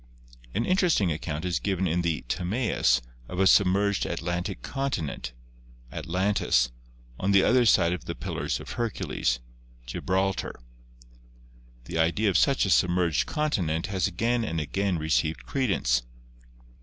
An interesting account is given in the "Timaeus" of a submerged Atlantic continent (At lantis) on the other side of the Pillars of Hercules (Gibral I tar). The idea of such a submerged continent has again and again received credence.